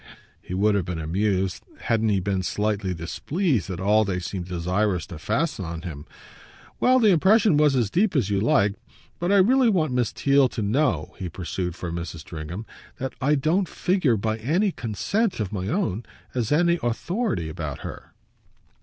He would have been amused, hadn't he been slightly displeased, at all they seemed desirous to fasten on him. "Well, the impression was as deep as you like. But I really want Miss Theale to know," he pursued for Mrs. Stringham, "that I don't figure by any consent of my own as an authority about her."